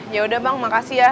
yaudah bang makasih ya